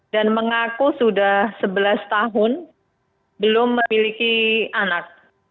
mengaku sudah sebelas tahun belum memiliki anak